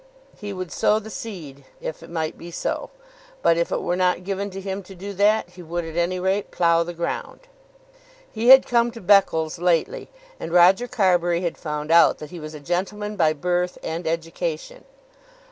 He would sow the seed if it might be so; but if it were not given to him to do that, he would at any rate plough the ground. He had come to Beccles lately, and Roger Carbury had found out that he was a gentleman by birth and education.